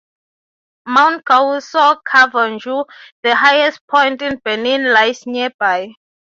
Mount Kousso-Kovangou, the highest point in Benin, lies nearby.